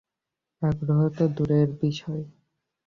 আগ্রহ তো দূরের বিষয়।